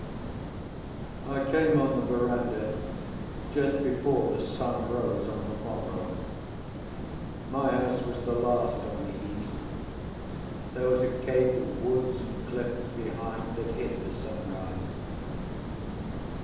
I came on the verandah just before the sun rose on the morrow. My house was the last on the east; there was a cape of woods and cliffs behind that hid the sunrise.